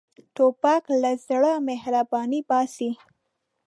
توپک له زړه مهرباني باسي.